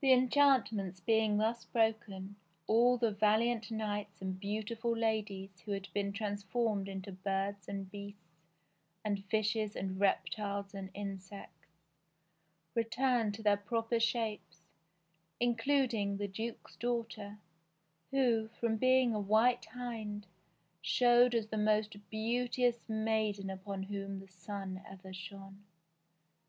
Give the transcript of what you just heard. The enchantments being thus broken, all the valiant knights and beautiful ladies who had been trans formed into birds and beasts and fishes and reptiles and in sects, returned to their proper shapes, including the duke's daughter, who, from being a white hind, showed as the most beauteous maiden upon whom the sun ever shone.